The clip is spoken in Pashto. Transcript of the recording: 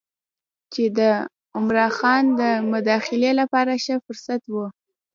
چې د عمرا خان د مداخلې لپاره ښه فرصت و.